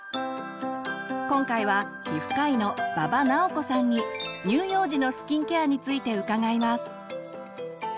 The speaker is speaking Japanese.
今回は皮膚科医の馬場直子さんに乳幼児のスキンケアについて伺います。